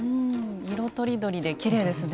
色とりどりできれいですね。